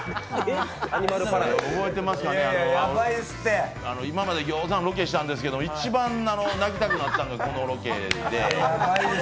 覚えてますかね、今までぎょうさんロケしたんですけど、一番泣きたくなったのがこのロケで。